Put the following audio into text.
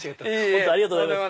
本当ありがとうございます。